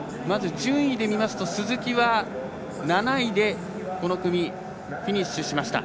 順位で見ると鈴木は７位でこの組フィニッシュしました。